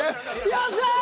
よっしゃあ！